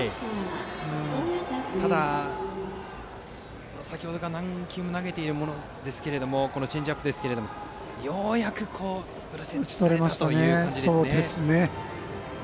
ただ、先程から何球も投げているチェンジアップですけれどもようやく、振らせて打ち取れたという感じですね。